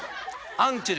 アンチル。